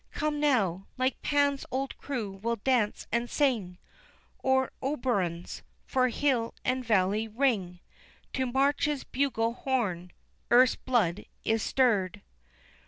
Come now, like Pan's old crew we'll dance and sing, Or Oberon's, for hill and valley ring To March's bugle horn earth's blood is stirred."